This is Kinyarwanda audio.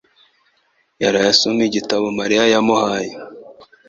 yaraye asoma igitabo Mariya yamuhaye